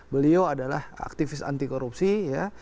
beliau adalah aktivis anti korupsi ya